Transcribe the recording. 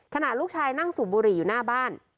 ขณะลูกชายนั่งสูบบุหรี่อยู่หน้าบ้าน